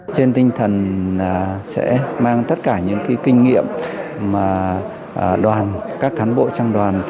trên tinh thần sẽ mang tất cả những kinh nghiệm mà đoàn các cán bộ trong đoàn